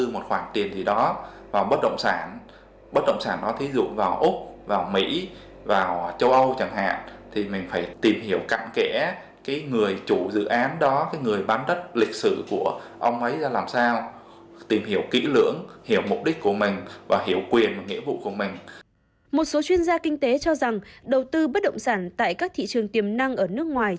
một số chuyên gia kinh tế cho rằng đầu tư bất động sản tại các thị trường tiềm năng ở nước ngoài